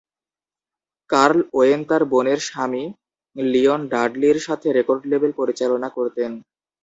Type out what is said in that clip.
Curl Owen তার বোনের স্বামী লিওন ডাডলির সাথে রেকর্ড লেবেল পরিচালনা করতেন।